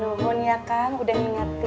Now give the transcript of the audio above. nuhun ya kan udah ngingetin